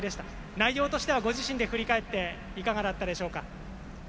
内容としてはご自身で振り返っていかがだったでしょうか？